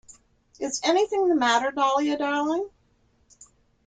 Is anything the matter, Dahlia, darling?